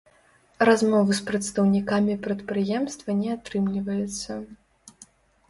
Размовы з прадстаўнікамі прадпрыемства не атрымліваецца.